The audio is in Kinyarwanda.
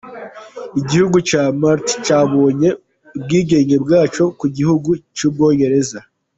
Igihugu cya Malta cyabonye ubwigenge bwacyo ku gihugu cy’ubwongereza.